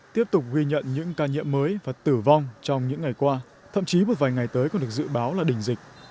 tiếp tục ghi nhận những ca nhiễm mới và tử vong trong những ngày qua thậm chí một vài ngày tới còn được dự báo là đỉnh dịch